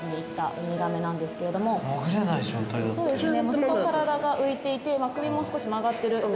ずっと体が浮いていて首も少し曲がってる状態でした。